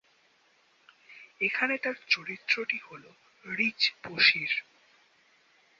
এখানে তার চরিত্রটি হল রিজ বশির।